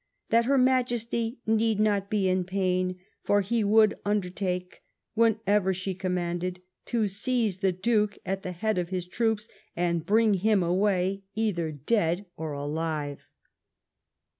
That her Majesty need not be in pain; for, he would undertake, whenever she commanded, to seize the Duke at the head of his troops, and bring him away either dead or alive.